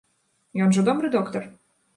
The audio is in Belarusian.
Ён жа добры доктар?